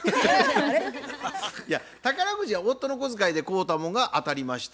宝くじは夫の小遣いで買うたもんが当たりました。